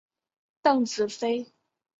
邓紫飞。